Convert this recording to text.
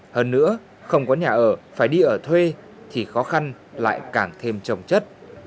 hơn nữa không có nhà ở phải đi ở thuê thì khó khăn lại càng thêm trồng chất